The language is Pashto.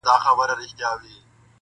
په څه سپک نظر به گوري زموږ پر لوري!!